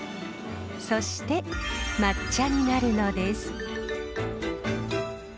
そして抹茶になるのです。